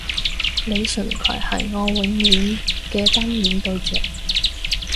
李純揆係我永遠嘅單戀對象